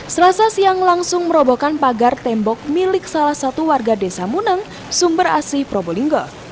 selasa siang langsung merobohkan pagar tembok milik salah satu warga desa muneng sumber asi probolinggo